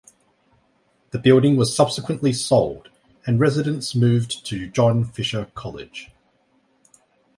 The building was subsequently sold, and residents moved to John Fisher College.